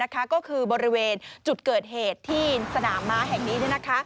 ก็คือบริเวณจุดเกิดเหตุที่สนามม้าแห่งนี้